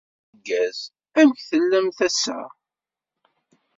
Ass ameggaz. Amek tellamt ass-a?